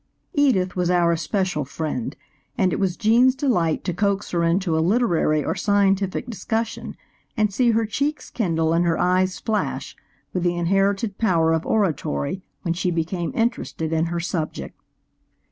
Edith was our especial friend, and it was Gene's delight to coax her into a literary or scientific discussion and see her cheeks kindle and her eyes flash with the inherited power of oratory when she became interested in her subject.